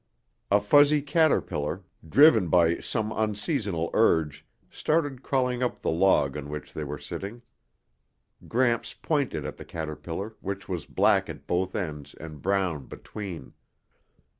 A fuzzy caterpillar, driven by some unseasonal urge, started crawling up the log on which they were sitting. Gramps pointed at the caterpillar, which was black at both ends and brown between.